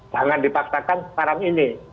jangan dipaksakan sekarang ini